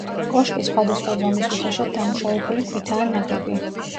კოშკი სხვადასხვა ზომის უხეშად დამუშავებული ქვითაა ნაგები.